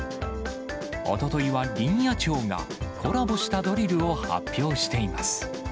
おとといは林野庁が、コラボしたドリルを発表しています。